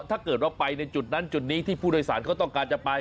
ถ้าเกิดว่าไปในจุดนั้นจุดนี้ที่ผู้โดยสารเขาต้องการจะไป